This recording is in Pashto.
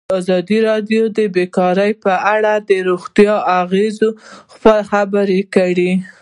ازادي راډیو د بیکاري په اړه د روغتیایي اغېزو خبره کړې.